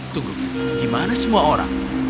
tunggu gimana semua orang